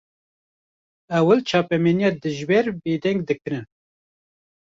Ewil çapemeniya dijber bêdeng dikirin